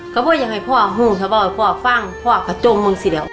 เขาบอกอย่างไรพ่อพ่อฟังพ่อกระจงมึงสิเดี๋ยว